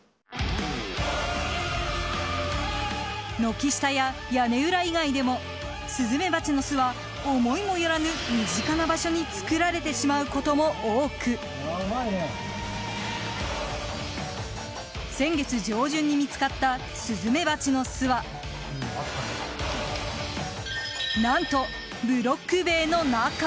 軒下や屋根裏以外でもスズメバチの巣は思いもよらぬ身近な場所に作られてしまうことも多く先月上旬に見つかったスズメバチの巣は何とブロック塀の中。